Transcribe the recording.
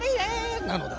なのだ。